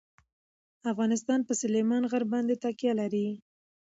افغانستان په سلیمان غر باندې تکیه لري.